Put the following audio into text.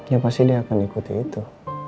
ya pasti dia akan ikuti itu